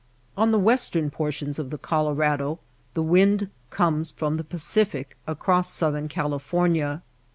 On the western portions of the Colorado the wind comes from the Pacific across Southern California.